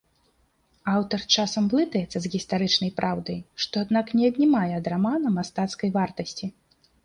Аўтар часам блытаецца з гістарычнай праўдай, што аднак не аднімае ад рамана мастацкай вартасці.